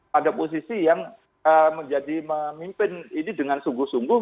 pada posisi yang menjadi memimpin ini dengan sungguh sungguh